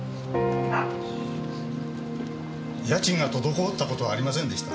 家賃が滞った事はありませんでした。